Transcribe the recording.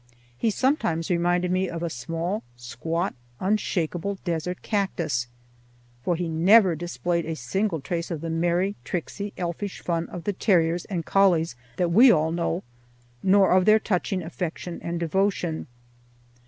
He sometimes reminded me of a small, squat, unshakable desert cactus. For he never displayed a single trace of the merry, tricksy, elfish fun of the terriers and collies that we all know, nor of their touching affection and devotion.